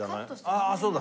ああそうだ。